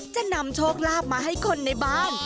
จะนำโชคลาภมาให้คนในบ้าน